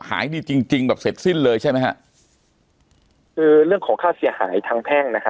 หายดีจริงจริงแบบเสร็จสิ้นเลยใช่ไหมฮะคือเรื่องของค่าเสียหายทางแพ่งนะฮะ